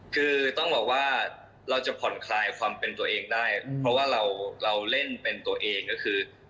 คือต้องบอกว่าเราจะผ่อนคลายความเป็นตัวเองได้เพราะว่าเราเล่นเป็นตัวเองก็คือ